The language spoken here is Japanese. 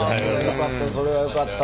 それはよかった。